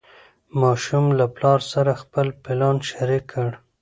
ماشوم له پلار سره خپل پلان شریک کړ